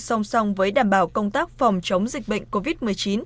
song song với đảm bảo công tác phòng chống dịch bệnh covid một mươi chín